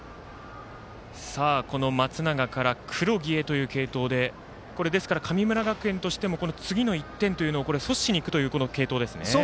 この松永から黒木へという継投で神村学園としても次の１点というのを阻止しにいく継投ですね。